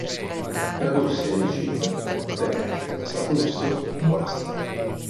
Tradusse Gide, Montaigne, Sallustio, von Coster.